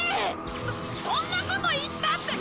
そそんなこと言ったって。